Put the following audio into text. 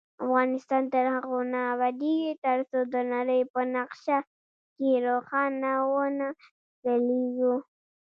افغانستان تر هغو نه ابادیږي، ترڅو د نړۍ په نقشه کې روښانه ونه ځلیږو.